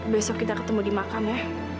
besok kita ketemu di makam ya